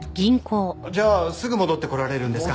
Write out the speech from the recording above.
じゃあすぐ戻ってこられるんですか。